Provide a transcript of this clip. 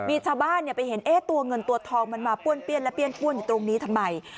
มีชาวบ้านไปเห็นตัวเงินตัวทองมันมาป้วนเปี้ยนและเปี้ยนป้วนอยู่ตรงนี้ทำไม